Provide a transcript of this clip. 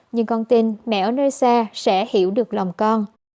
nhưng con tin mẹ ở nơi xa sẽ hiểu được lòng con